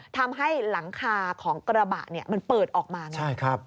ทำให้หลังคาของกระบะมันเปิดออกมาไง